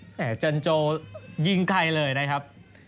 จันโจยิงใครเลยนะครับ